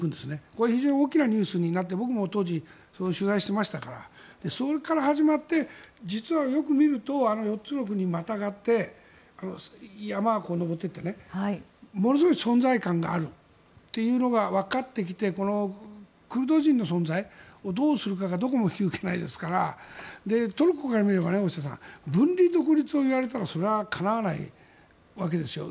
これは非常に大きなニュースになって僕も当時、取材していましたからそこから始まって実はよく見ると４つの国にまたがって山を登っていってねものすごい存在感があるというのが分かってきてクルド人の存在をどうするかがどこも引き受けないですからトルコから見れば分離独立を言われたらそれはかなわないわけですよ。